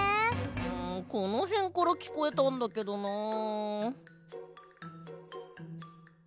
んこのへんからきこえたんだけどなあ。